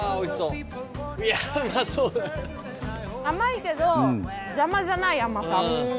甘いけど邪魔じゃない甘さ。